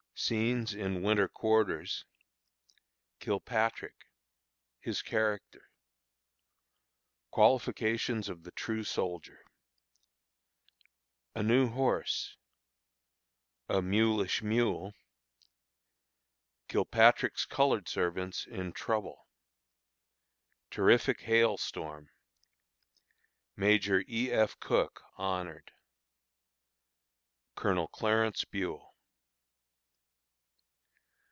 Scenes in Winter Quarters. Kilpatrick. His Character. Qualifications of the True Soldier. A New Horse. A Mulish Mule. Kilpatrick's Colored Servants in Trouble. Terrific Hail Storm. Major E. F. Cooke Honored. Colonel Clarence Buel.